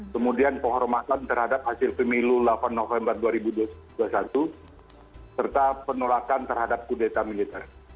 kemudian kehormatan terhadap hasil pemilu delapan november dua ribu dua puluh satu serta penolakan terhadap kudeta militer